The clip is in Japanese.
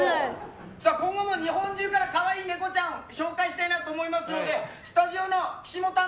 今後も日本中から可愛いネコちゃんを紹介したいなと思いますのでスタジオの岸本アナ